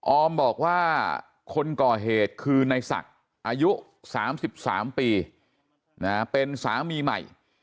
ออมบอกว่าคนก่อเหตุคือในศักดิ์อายุ๓๓ปีเป็นสามีใหม่